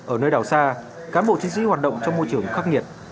ở nơi đảo xa cán bộ chiến sĩ hoạt động trong môi trường khắc nghiệt